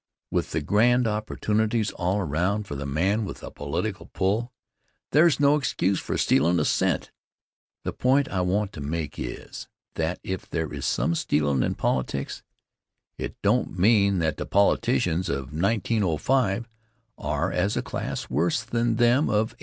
With the grand opportunities all around for the man with a political pull, there's no excuse for stealin' a cent. The point I want to make is that if there is some stealin' in politics, it don't mean that the politicians of 1905 are, as a class, worse than them of 1835.